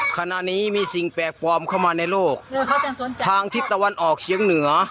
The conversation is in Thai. ขณะนี้มีสิ่งแปลกปลอมเข้ามาในโลกทางทิศตะวันออกเชียงเหนือ